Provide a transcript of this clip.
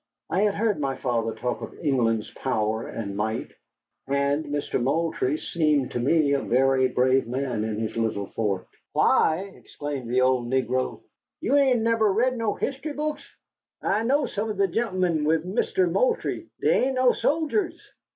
I had heard my father talk of England's power and might, and Mister Moultrie seemed to me a very brave man in his little fort. "Why!" exclaimed the old negro. "You ain't neber read no hist'ry books. I knows some of de gentlemen wid Mister Moultrie. Dey ain't no soldiers.